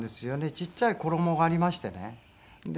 ちっちゃい衣がありましてねで。